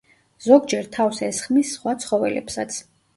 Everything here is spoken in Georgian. ზოგჯერ თავს ესხმის სხვა ცხოველებსაც.